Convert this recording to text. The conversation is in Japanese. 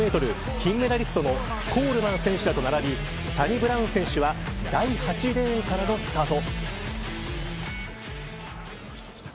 金メダリストのコールマン選手らと並びサニブラウン選手は第８レーンからのスタート。